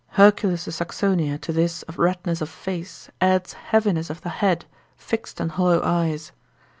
Hercules de Saxonia to this of redness of face, adds heaviness of the head, fixed and hollow eyes.